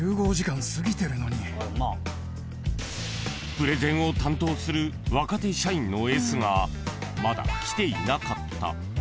［プレゼンを担当する若手社員のＳがまだ来ていなかった］